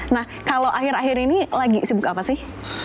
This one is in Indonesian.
nah kalau akhir akhir ini lagi sibuk apa sih